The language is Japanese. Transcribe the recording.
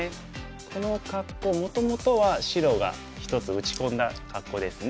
この格好もともとは白が１つ打ち込んだ格好ですね。